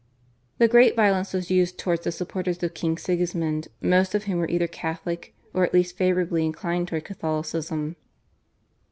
The greatest violence was used towards the supporters of King Sigismund, most of whom were either Catholic or at least favourably inclined towards Catholicism.